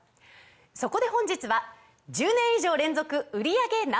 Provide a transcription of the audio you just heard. そこで本日は１０年以上連続売り上げＮｏ．１